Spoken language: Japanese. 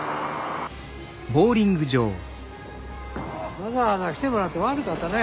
わざわざ来てもらって悪かったね。